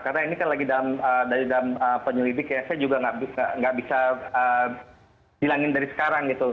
karena ini kan lagi dalam penyelidik ya saya juga nggak bisa bilangin dari sekarang gitu